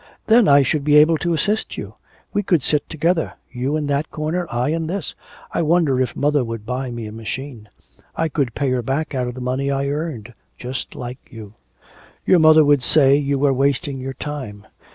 Then I should be able to assist you. We could sit together, you in that corner, I in this. I wonder if mother would buy me a machine. I could pay her back out of the money I earned, just like you.' 'Your mother would say you were wasting your time.